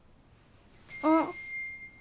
あっ。